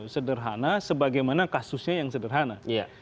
sederhana sebagaimana kasusnya yang sederhana